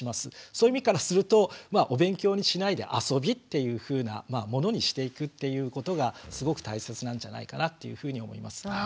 そういう意味からするとお勉強にしないで遊びっていうふうなものにしていくっていうことがすごく大切なんじゃないかなっていうふうに思います。